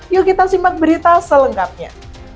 yuk kita simak berita selengkapnya